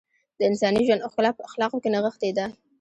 د انساني ژوند ښکلا په اخلاقو کې نغښتې ده .